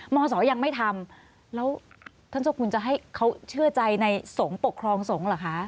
ศยังไม่ทำแล้วท่านเจ้าคุณจะให้เขาเชื่อใจในสงฆ์ปกครองสงฆ์เหรอคะ